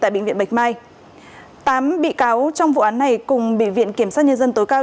bệnh viện bạch mai tám bị cáo trong vụ án này cùng bệnh viện kiểm soát nhân dân tối cao